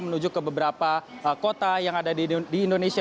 menuju ke beberapa kota yang ada di indonesia